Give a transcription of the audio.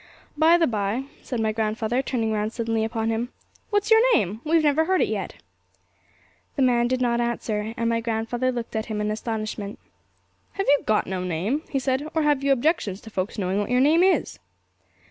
'By the bye,' said my grandfather, turning round suddenly upon him, 'what's your name? We've never heard it yet!' The man did not answer, and my grandfather looked at him in astonishment. 'Have you got no name?' he said, 'or have you objections to folks knowing what your name is?'